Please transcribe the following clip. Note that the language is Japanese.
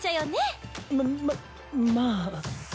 まままあ。